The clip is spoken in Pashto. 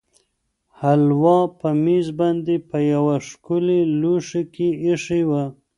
هلوا په مېز باندې په یوه ښکلي لوښي کې ایښې وه.